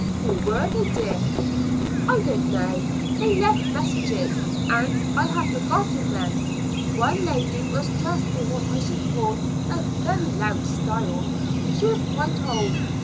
"Who were they, dear?" "I don't know. They left messages, and I have forgotten them. One lady was dressed in what I should call a very loud style. She was quite old.